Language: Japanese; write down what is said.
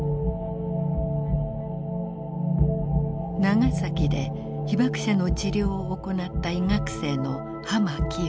長崎で被爆者の治療を行った医学生の濱清。